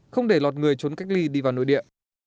không để lọt người trốn cách ly đi vào nội địa